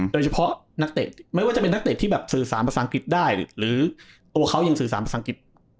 โดยเฉพาะนักเตะที่แบบสื่อสารภาษาอังกฤษได้หรือตัวเขายังสื่อสารภาษาอังกฤษ